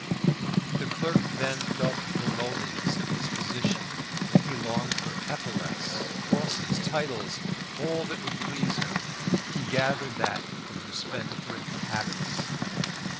The clerk then felt the lowliness of his position; he longed for epaulettes, crosses, titles. All that would please her he gathered that from her spendthrift habits.